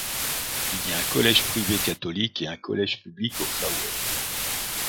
Il y a un collège privé catholique et un collège public au Faouët.